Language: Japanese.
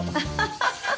ハハハハ。